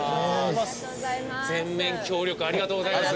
全面協力ありがとうございます。